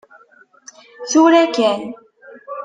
Tura kan!